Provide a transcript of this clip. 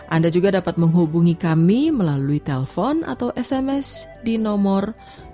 anda juga dapat menghubungi kami melalui telpon atau sms di nomor delapan ratus dua puluh satu seribu enam puluh satu seribu lima ratus sembilan puluh lima